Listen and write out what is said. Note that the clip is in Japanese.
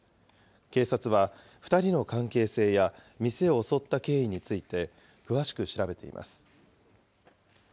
警察は２人の関係性や店を襲った経緯について、詳しく調べています。